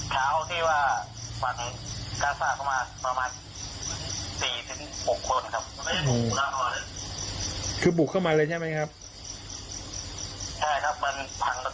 ตอนเช้าที่ว่ามันกลับมาประมาณ๔๖คนครับคือบุกเข้ามาเลยใช่ไหมครับ